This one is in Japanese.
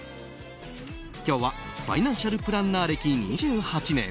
今日はファイナンシャルプランナー歴２８年。